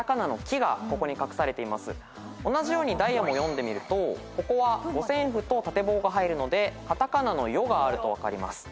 同じように♦も読んでみるとここは五線譜と縦棒が入るので片仮名のヨがあると分かります。